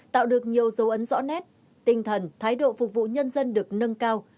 tạo được nhiều dấu ấn rõ nét tinh thần thái độ phục vụ nhân dân được nâng cao